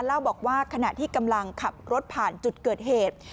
เล่าบอกว่าขณะที่กำลังขับรถผ่านจุดเกิดเหตุ